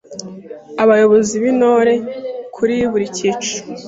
Abayobozi b’Intore; kuri buri kiciro